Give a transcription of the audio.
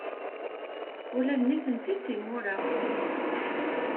Ula d nitenti d timura.